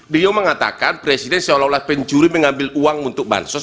beliau mengatakan presiden seolah olah pencuri mengambil uang untuk bansos